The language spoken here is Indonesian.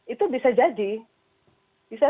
itu bisa jadi